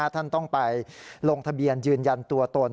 ท่านต้องไปลงทะเบียนยืนยันตัวตน